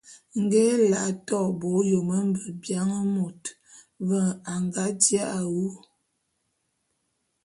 Nge Ela a to bo ôyôm mbiebian môt, ve a nga ji’a wu.